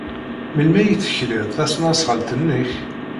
Melmi ay teklid tasnasɣalt-nnek?